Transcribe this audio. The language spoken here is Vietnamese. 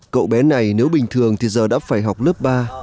cậu bé này nếu bình thường thì giờ đã phải học lớp ba